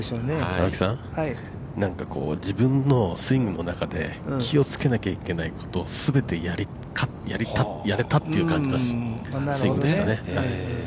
◆青木さん、なんかこう自分のスイングの中で、気をつけなきゃいけないこと、すべてやれたという感じのスイングでしたね。